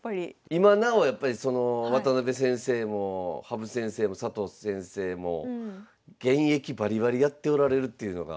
今なおやっぱり渡辺先生も羽生先生も佐藤先生も現役バリバリやっておられるっていうのが。